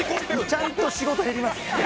ちゃんと仕事減ります。